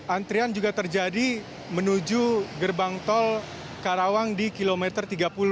antrian juga terjadi menuju gerbang tol karawang di kilometer tiga puluh